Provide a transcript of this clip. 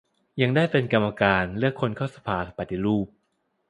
ยังได้เป็นกรรมการเลือกคนเข้าสภาปฏิรูป